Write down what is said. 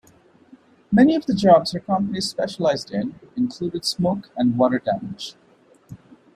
Many of the jobs her company specialized in included smoke and water damage.